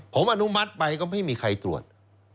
ผมอนุมัติไปก็ไม่มีใครตรวจ